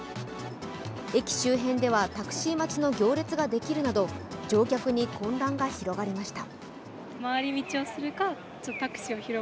駅周辺ではタクシー待ちの行列ができるなど、乗客に混乱が広がりました。